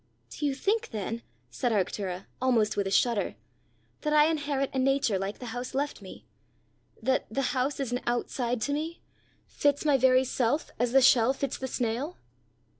"Do you think then," said Arctura, almost with a shudder, "that I inherit a nature like the house left me that the house is an outside to me fits my very self as the shell fits the snail?"